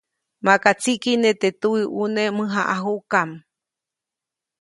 Maka tsikiʼne teʼ tuwiʼune mäjaʼajuʼkam.